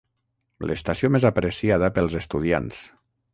L'estació més apreciada pels estudiants.